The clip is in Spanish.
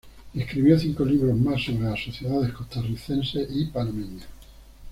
Escribió cinco libros más sobre las sociedades costarricense y panameña.